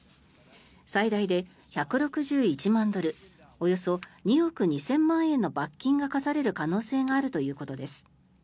最大で１６１万ドルおよそ２億２０００万円の罰金が科される可能性があるということです。